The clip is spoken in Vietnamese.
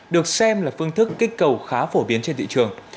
được xem là phương thức kích cầu khá phổ biến trên thị trường